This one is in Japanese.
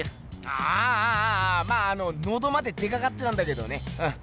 あぁあああまああののどまで出かかってたんだけどねうん。